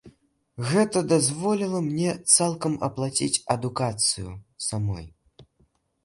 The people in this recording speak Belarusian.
Гэта дазволіла мне цалкам аплаціць адукацыю самой.